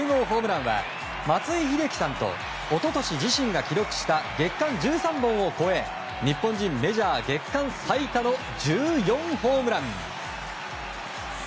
２９号ホームランは松井秀喜さんと一昨年、自身が記録した月間１３本を超え日本人メジャー月間最多の１４ホームラン。